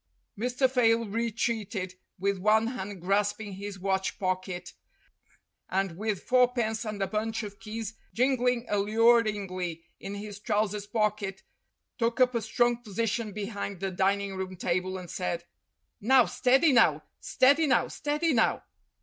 Mr. Fayle retreated, with one hand grasping his watch pocket, and with fourpence and a bunch of keys jingling alluringly in his trousers' pocket, took up a strong position behind the dining room table, and said : "Now, steady now. Steady now. Steady now.